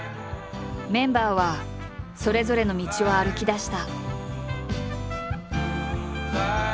メンバーはそれぞれの道を歩きだした。